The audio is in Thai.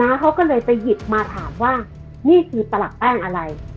เขาก็เลยไปหยิบมาถามว่านี่คือตลับแป้งอะไร